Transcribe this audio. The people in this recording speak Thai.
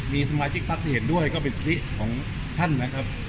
มีสมาชิกพักที่เห็นด้วยก็เป็นสิทธิของท่านนะครับ